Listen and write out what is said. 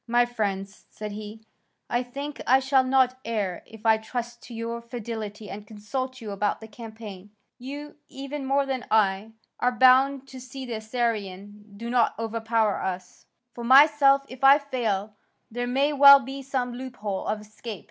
"My friends," said he, "I think I shall not err if I trust to your fidelity and consult you about the campaign. You, even more than I, are bound to see that the Assyrians do not overpower us. For myself, if I fail, there may well be some loophole of escape.